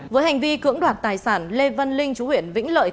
với hành vi cưỡng đoạt tài sản lê văn linh chú huyện vĩnh lợi